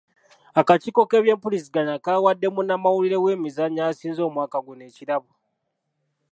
Akakiiko k'ebyempuliziganya kawadde munnamawulire w'emizannyo asinze omwaka guno ekirabo.